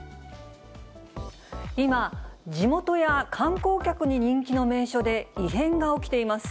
今、地元や観光客に人気の名所で異変が起きています。